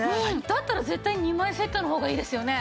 だったら絶対２枚セットの方がいいですよね。